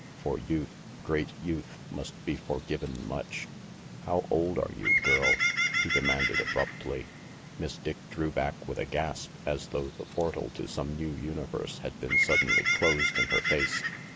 For youth, great youth, must be forgiven much. "How old are you, girl?" he demanded abruptly. Miss Dick drew back with a gasp, as though the portal to some new universe had been suddenly closed in her face.